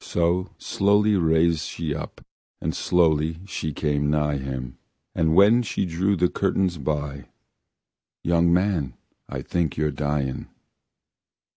So slowly, slowly rase she up, And slowly she came nigh him, And when she drew the curtains by "Young man, I think you're dyin'."